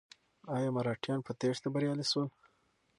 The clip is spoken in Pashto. ایا مرهټیان په تېښته بریالي شول؟